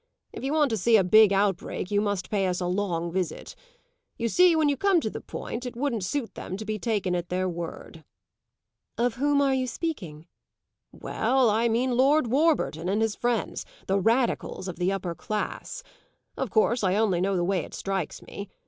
"If you want to see a big outbreak you must pay us a long visit. You see, when you come to the point it wouldn't suit them to be taken at their word." "Of whom are you speaking?" "Well, I mean Lord Warburton and his friends the radicals of the upper class. Of course I only know the way it strikes me.